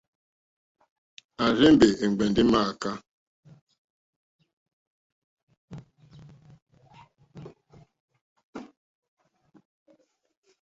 À rzé-mbè è ŋgbɛ̀ndɛ̀ è mááká.